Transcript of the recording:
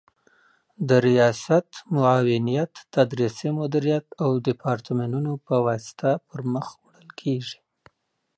د ریاست، معاونیت، تدریسي مدیریت او دیپارتمنتونو په واسطه پر مخ وړل کیږي